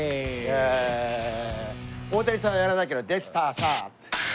大谷さんはやらないけどデスターシャ。